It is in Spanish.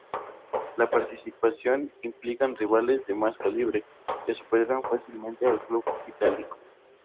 La participación implican rivales de más calibre, que superan fácilmente al club itálico.